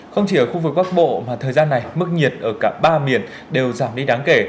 không chỉ ở khu vực bắc bộ mà thời gian này mức nhiệt ở cả ba miền đều giảm đi đáng kể